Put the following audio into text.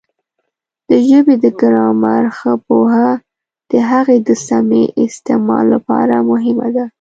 د ژبې د ګرامر ښه پوهه د هغې د سمې استعمال لپاره مهمه ده.